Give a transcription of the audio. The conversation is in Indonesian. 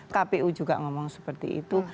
kpu juga ngomong seperti itu